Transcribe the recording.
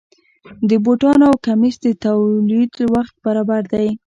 د بوټانو او کمیس د تولید وخت برابر دی.